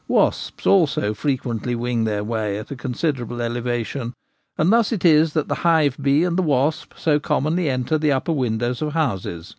Wasps also frequently wing their way at a considerable elevation, and thus it is that the hive bee and the wasp so commonly enter the upper windows of houses.